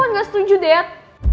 wah nggak setuju dad